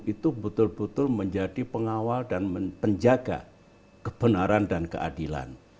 itu betul betul menjadi pengawal dan penjaga kebenaran dan keadilan